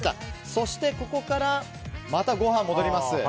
そして、ここからまたご飯に戻ります。